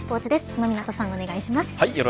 今湊さん、お願いします。